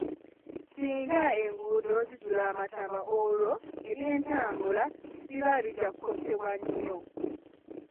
Singa enguudo zijjula amataba olwo eby'entambula biba bijja kukosebwa nnyo.